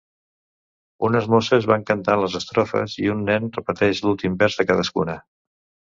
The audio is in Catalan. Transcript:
Unes mosses van cantant les estrofes i un nen repeteix l'últim vers de cadascuna.